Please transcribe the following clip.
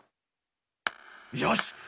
よし。